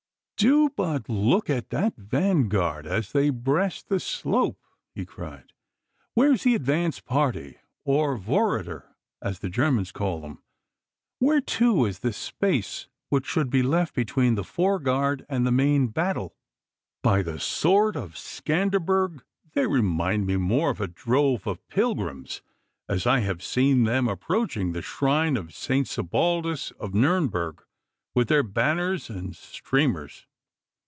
'Do but look at that vanguard as they breast the slope,' he cried. 'Where is the advance party, or Vorreiter, as the Germans call them? Where, too, is the space which should be left between the fore guard and the main battle? By the sword of Scanderbeg, they remind me more of a drove of pilgrims, as I have seen them approaching the shrine of St. Sebaldus of Nurnberg with their banners and streamers.